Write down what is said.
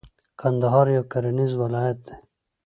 کندهار یو کرنیز ولایت دی.